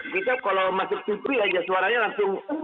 kita kalau masuk tv aja suaranya langsung